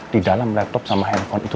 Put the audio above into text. di dalam laptop sama handphone itu